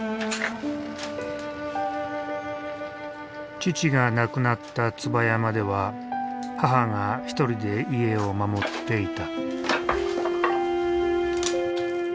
父が亡くなった椿山では母が一人で家を守っていた。